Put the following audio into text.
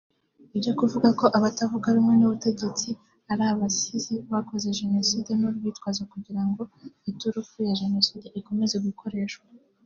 Ibyo kuvugako abatavuga rumwe n’ubutegetsi ari abasize bakoze genocide n’urwitwazo kugirango iturufu ya genocide ikomeze gukoreshwa